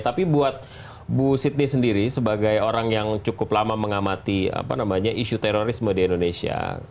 tapi buat bu sidney sendiri sebagai orang yang cukup lama mengamati isu terorisme di indonesia